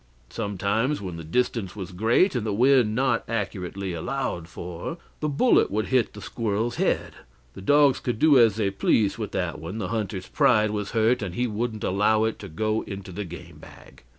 Sometimes when the distance was great and the wind not accurately allowed for, the bullet would hit the squirrel's head; the dogs could do as they pleased with that one the hunter's pride was hurt, and he wouldn't allow it to go into the gamebag.